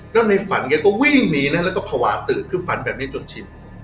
แล้วในฝันแกก็วิ่งหนีนะแล้วก็ภาวะตื่นคือฝันแบบนี้จนชิด